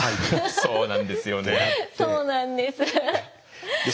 そうなんです。